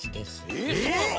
えっそうなの？